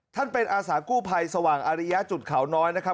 ท่านเป็นอาสากู้ภัยสว่างอาริยะจุดเขาน้อยนะครับ